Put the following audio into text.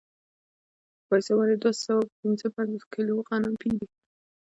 په پیسو باندې دوه سوه پنځه پنځوس کیلو غنم پېري